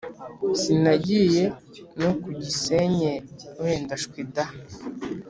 Sinagiye no kugisenye wenda ashwida